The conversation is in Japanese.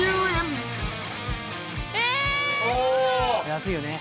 安いよね。